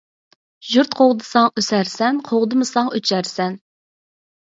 يۇرت قوغدىساڭ ئۆسەرسەن . قوغدىمىساڭ ئۆچەرسەن.